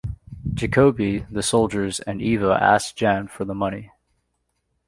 Jacobi, the soldiers, and Eva ask Jan for the money.